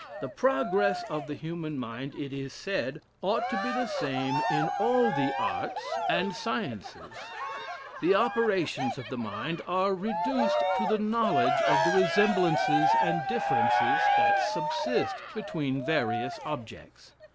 The progress of the human mind, it is said, ought to be the same in all the arts and sciences: the operations of the mind are reduced to the knowledge of the resemblances and differences that subsist between various objects.